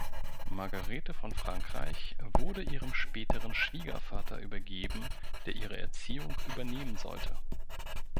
Margarete von Frankreich wurde ihrem späteren Schwiegervater übergeben, der ihre Erziehung übernehmen sollte.